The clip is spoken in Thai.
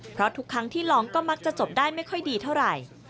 เพราะทุกครั้งที่ร้องก็มักจะจบได้ไม่ค่อยดีเท่าไหร่